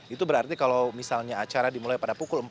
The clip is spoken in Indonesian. itu berarti kalau misalnya acara dimulai pada pukul empat